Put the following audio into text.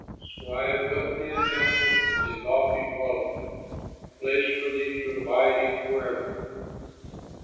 So I have built thee a temple as a lofty dwelling, A place for thee to abide in forever."